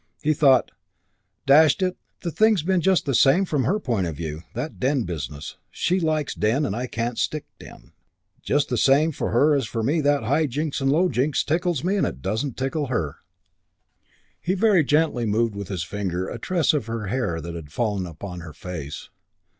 He thought, "Dash it, the thing's been just the same from her point of view. That den business. She likes den, and I can't stick den. Just the same for her as for me that High Jinks and Low Jinks tickles me and doesn't tickle her." He very gently moved with his finger a tress of her hair that had fallen upon her face....